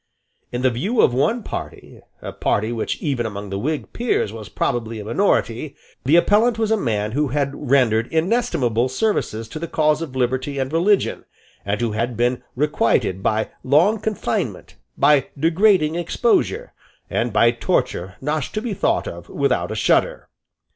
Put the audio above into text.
In the view of one party, a party which even among the Whig peers was probably a minority, the appellant was a man who had rendered inestimable services to the cause of liberty and religion, and who had been requited by long confinement, by degrading exposure, and by torture not to be thought of without a shudder.